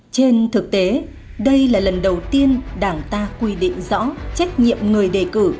trên thực tế đây là lần đầu tiên đảng ta quy định rõ trách nhiệm người đề cử